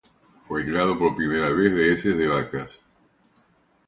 Fue aislado por primera vez de heces de vacas.